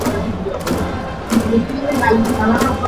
তিনি লিনিয়ার সরল ডিফারেন্সিয়াল সমীকরণের নতুন সমাধান পদ্ধতি দেখান।